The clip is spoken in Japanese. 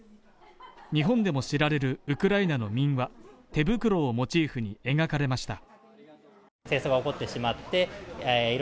日本でも知られるウクライナの民話「てぶくろ」をモチーフに描かれました。